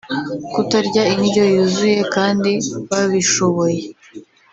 kutarya indyo yuzuye kandi babishoboye